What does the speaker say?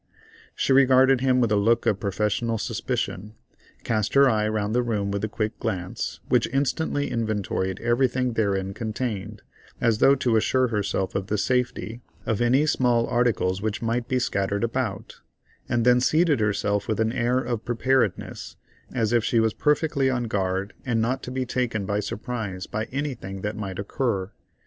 She regarded him with a look of professional suspicion, cast her eye round the room with a quick glance, which instantly inventoried everything therein contained, as though to assure herself of the safety of any small articles which might be scattered about, and then seated herself with an air of preparedness, as if she was perfectly on guard and not to be taken by surprise by anything that might occur.